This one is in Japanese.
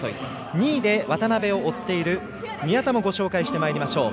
２位で渡部を追っている宮田もご紹介してまいりましょう。